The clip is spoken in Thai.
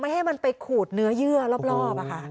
ให้มันไปขูดเนื้อเยื่อรอบ